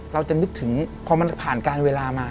เราจะนึกถึงพอมันผ่านการเวลามา